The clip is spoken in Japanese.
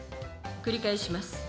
繰り返します。